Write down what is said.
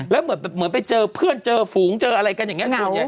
แล้วเหมือนไปเจอเพื่อนเจอฝูงเจออะไรกันอย่างนี้